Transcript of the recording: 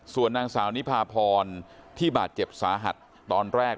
ส่วนนางสาวนิพาพรที่บาดเจ็บสาหัสตอนแรก